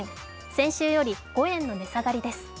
先週より５円の値下がりです。